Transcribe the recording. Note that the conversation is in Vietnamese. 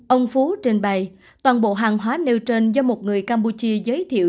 ông phú trên bài toàn bộ hàng hóa nêu trên do một người campuchia giới thiệu